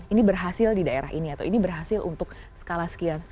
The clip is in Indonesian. ini berhasil di daerah ini atau ini berhasil untuk skala sekian